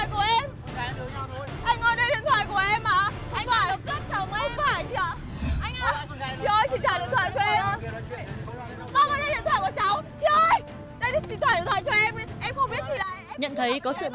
chị ơi đây điện thoại của em